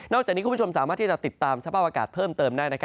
จากนี้คุณผู้ชมสามารถที่จะติดตามสภาพอากาศเพิ่มเติมได้